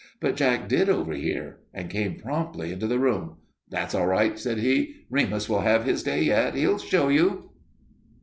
But Jack did overhear and came promptly into the room. "That's all right," said he. "Remus will have his day yet. He'll show you."